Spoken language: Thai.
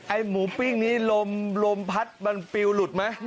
หมูปิ้งนี้ลมลมพัดมันปิวหลุดไหม